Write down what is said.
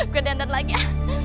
gue dandan lagi ya